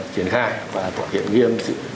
triển khai và tỏa hiện nghiêm